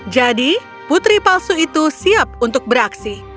jadi putri palsu itu siap untuk beraksi